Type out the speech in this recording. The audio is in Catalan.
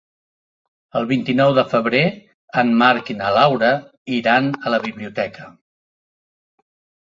El vint-i-nou de febrer en Marc i na Laura iran a la biblioteca.